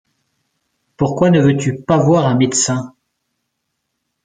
Pourquoi ne veux-tu pas voir un médecin ?